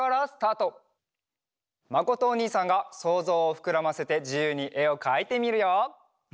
まことおにいさんがそうぞうをふくらませてじゆうにえをかいてみるよ！